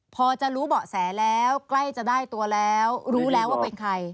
พอจะรู้เบาะแสแล้วใกล้จะได้ตัวแล้วรู้แล้วว่าเป็นใคร